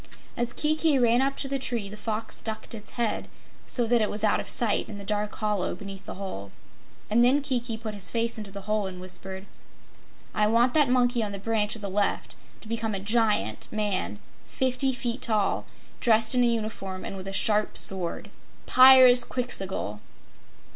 As Kiki ran up to the tree the Fox ducked its head, so that it was out of sight in the dark hollow beneath the hole, and then Kiki put his face into the hole and whispered: "I want that monkey on the branch at the left to become a Giant man fifty feet tall, dressed in a uniform and with a sharp sword Pyrzqxgl!"